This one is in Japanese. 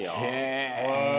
へえ。